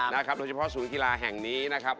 โดยเฉพาะศูนย์กีฬาแห่งนี้นะครับ